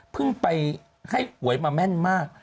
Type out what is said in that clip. เพิ่งไปให้หวยมาแม่นมาก